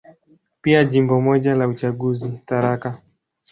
Pia Jimbo moja la uchaguzi, Tharaka.